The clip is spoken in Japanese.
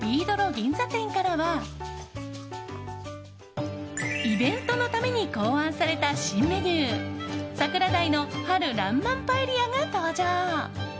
銀座店からはイベントのために考案された新メニュー桜鯛の春爛漫パエリアが登場。